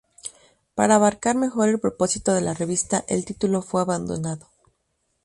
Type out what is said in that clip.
Para abarcar mejor el propósito de la revista, el título fue abandonado.